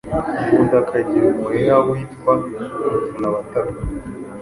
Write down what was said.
Ngunda akagira umuheha witwa Ruvunabataka